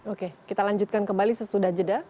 oke kita lanjutkan kembali sesudah jeda